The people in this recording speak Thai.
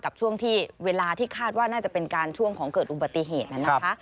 ช่วงที่เวลาที่คาดว่าน่าจะเป็นการช่วงของเกิดอุบัติเหตุนั้นนะคะ